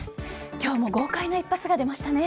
今日も豪快な一発が出ましたね。